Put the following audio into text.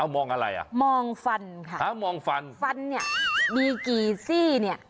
มองอะไรมองฟันค่ะฟันเนี่ยมีกี่ซี่เนี่ย